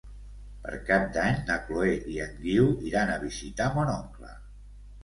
Per Cap d'Any na Chloé i en Guiu iran a visitar mon oncle.